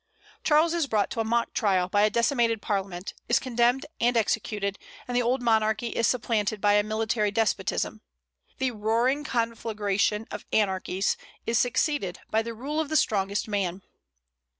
Charles is brought to a mock trial by a decimated Parliament, is condemned and executed, and the old monarchy is supplanted by a military despotism. "The roaring conflagration of anarchies" is succeeded by the rule of the strongest man.